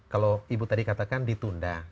kalau ibu tadi katakan ditunda